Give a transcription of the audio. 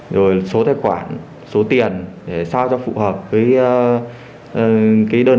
rồi số tài khoản số tiền để sao cho phù hợp với đơn vị